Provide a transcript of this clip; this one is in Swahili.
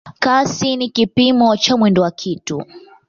Kasi ni kipimo cha mwendo wa kitu.